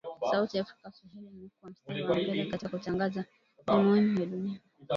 Sauti ya Afrika Swahili imekua mstari wa mbele katika kutangaza matukio muhimu ya dunia